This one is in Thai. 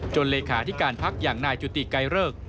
จนเลขาธิการพรรคอย่างนายจุติใกล้เลิก